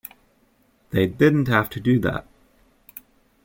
They didn't have to do that.